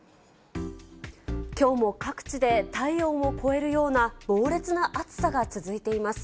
きょうも各地で、体温を超えるような猛烈な暑さが続いています。